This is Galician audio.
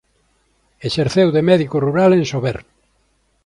Exerceu de médico rural en Sober.